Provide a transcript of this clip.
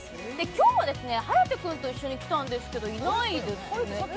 今日は颯君と一緒に来たんですけどいないですね。